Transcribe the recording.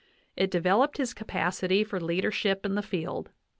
It developed his capacity for leader ship in the field.